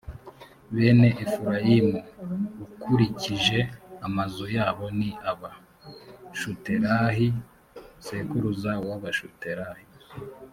bene efurayimu, ukurikije amazu yabo ni aba: shutelahi sekuruza w’abashutelahi.